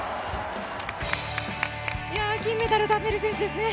金メダル、タンベリ選手ですね。